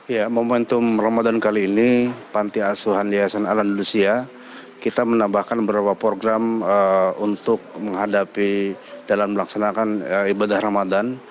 ya momentum ramadan kali ini panti asuhan di panti asuhan ala andalusia kita menambahkan beberapa program untuk menghadapi dalam melaksanakan ibadah ramadan